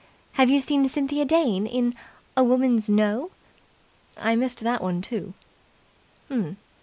Have you seen Cynthia Dane in 'A Woman's No'?" "I missed that one too."